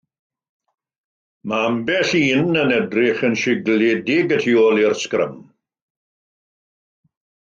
Mae ambell i un yn edrych yn sigledig y tu ôl i'r sgrym.